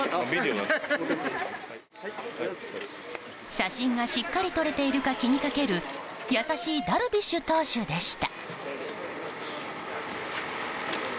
写真がしっかり撮れているか気にかける優しいダルビッシュ投手でした。